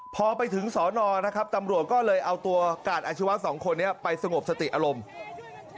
พอไปถึงสอนอนะครับตำรวจก็เลยเอาตัวกาดอาชีวะสองคนนี้ไปสงบสติอารมณ์